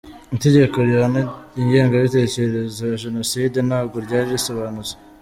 Itegeko rihana ingengabitekerezo ya Jenoside ntabwo ryari risobanutse